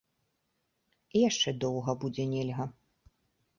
І яшчэ доўга будзе нельга.